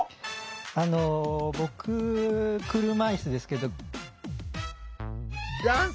あの僕車いすですけど。